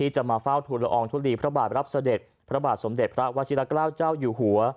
จะมาเฝ้าทุนละอองทุลีพระบาทรับเสด็จพระบาทสมเด็จพระวชิละเกล้าเจ้าอยู่หัว